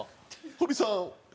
堀さん。